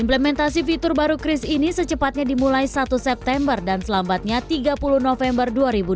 implementasi fitur baru kris ini secepatnya dimulai satu september dan selambatnya tiga puluh november dua ribu dua puluh